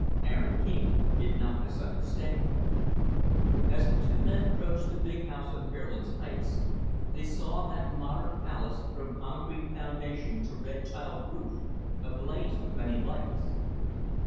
Aaron King did not misunderstand. As the two men approached the big house on Fairlands Heights, they saw that modern palace, from concrete foundation to red tiled roof, ablaze with many lights.